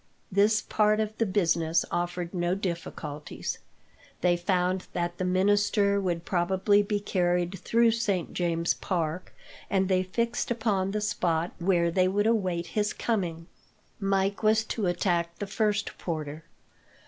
This part of the business offered no difficulties. They found that the minister would probably be carried through Saint James's Park, and they fixed upon the spot where they would await his coming. Mike was to attack the first porter.